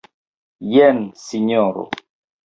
Jen, Sinjoro.